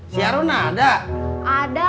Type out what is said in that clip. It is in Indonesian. saya tuh sudah kaget banget kalau memang